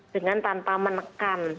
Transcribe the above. dengan tanpa menekan